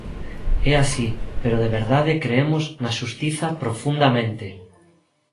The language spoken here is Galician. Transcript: É así, pero de verdade cremos na xustiza profundamente.